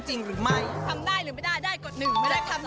นี้แค่ประยะกาศมืองส่วงนะคุณผู้ชม